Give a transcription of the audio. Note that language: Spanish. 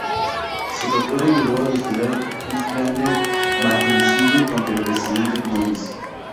Su captura ayudó a desvelar un plan de magnicidio contra el presidente Hernández.